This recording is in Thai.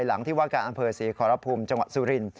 หลังที่ว่าการอำเภอศรีขอรภูมิจังหวัดสุรินท